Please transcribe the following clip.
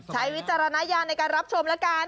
ใช้วิจารณญาณในการรับชมละการ